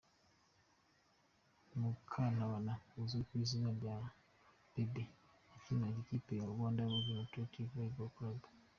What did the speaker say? Mukantambara uzwi ku izina rya Baby, yakiniraga ikipe ya Rwanda Revenue Authority Volleyball Club.